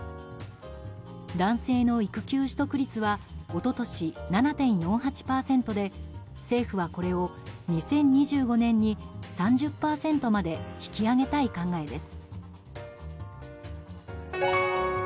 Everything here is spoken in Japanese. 男性の育休取得率は一昨年７．４８％で政府はこれを２０２５年に３０％まで引き上げたい考えです。